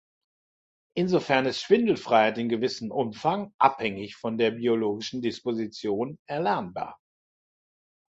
Insofern ist Schwindelfreiheit in gewissem Umfang, abhängig von der biologischen Disposition, erlernbar.